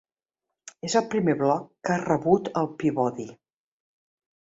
És el primer blog que ha rebut el Peabody.